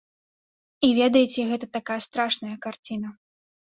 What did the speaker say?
І ведаеце, гэта такая страшная карціна.